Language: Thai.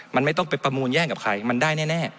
มันไม่ต้องไปประมูลแย่งกับใครมันได้แน่